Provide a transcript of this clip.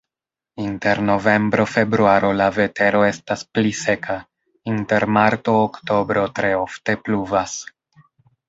Inter novembro-februaro la vetero estas pli seka, inter marto-oktobro tre ofte pluvas.